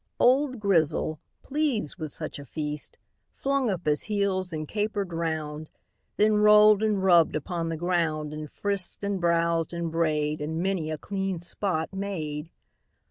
Old Grizzle, pleased with such a feast, Flung up his heels, and caper'd round, Then roll'd and rubb'd upon the ground, And frisk'd and browsed and bray'd, And many a clean spot made.